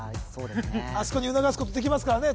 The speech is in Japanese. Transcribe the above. あそこに促すことできますからね